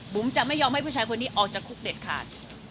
จะไม่ยอมให้ผู้ชายคนนี้ออกจากคุกเด็ดขาด